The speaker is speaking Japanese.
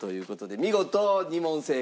見事２問正解。